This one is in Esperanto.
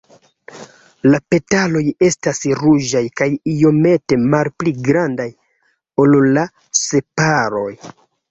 La petaloj estas ruĝaj kaj iomete malpli grandaj ol la sepaloj.